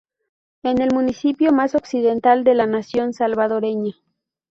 Es el municipio más occidental de la nación salvadoreña.